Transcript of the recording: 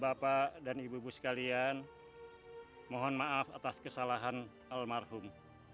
bapak dan ibu ibu sekalian mohon maaf atas kesalahan almarhum